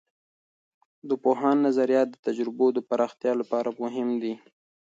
د پوهاند نظریات د تجربو د پراختیا لپاره مهم دي.